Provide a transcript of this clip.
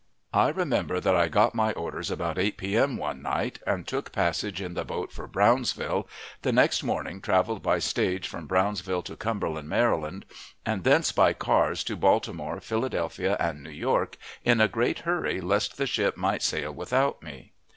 I remember that I got my orders about 8 p. m. one night, and took passage in the boat for Brownsville, the next morning traveled by stage from Brownsville to Cumberland, Maryland, and thence by cars to Baltimore, Philadelphia, and New York, in a great hurry lest the ship might sail without me.